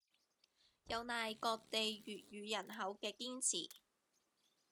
有賴各地粵語人口嘅堅持